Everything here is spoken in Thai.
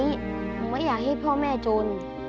หนูไม่อยากให้พ่อแม่จน